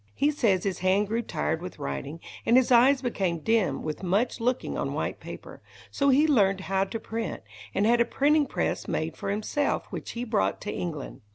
He says his hand grew tired with writing, and his eyes became dim with much looking on white paper. So he learned how to print, and had a printing press made for himself, which he brought to England.